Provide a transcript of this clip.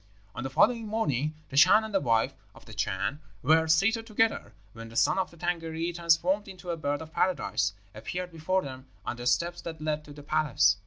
"On the following morning, the Chan and the wife of the Chan were seated together, when the son of the Tângâri, transformed into a bird of Paradise, appeared before them on the steps that led to the palace.